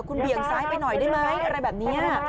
หน่อยได้ไหมอะไรแบบนี้